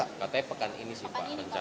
katanya pekan ini sih pak